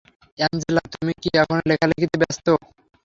Angela, তুমি কি এখনও লেখালেখিতে ব্যস্ত?